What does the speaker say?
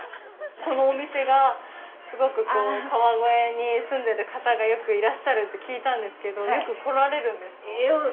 このお店がすごくこう川越に住んでる方がよくいらっしゃるって聞いたんですけどよく来られるんですか？